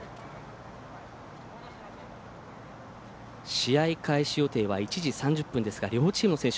試合開始予定は１時３０分ですが両チームの選手